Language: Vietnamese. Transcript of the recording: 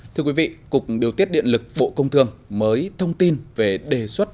thưa quý vị cục điều tiết điện lực bộ công thương mới thông tin về đề xuất